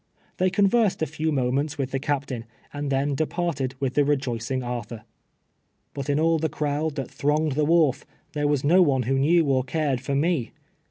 They conyersed a few moments with the captain, and then departed with the rejoicing Arthur. But in all the crowd that thronged the wharf, there was no one Avho knew or cared for me.